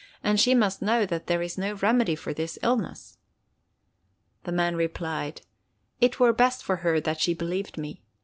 And she must know that there is no remedy for this illness." The man replied: "It were best for her that she believed me.